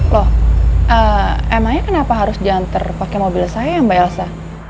loh emangnya kenapa harus diantar pake mobil saya mbak elsa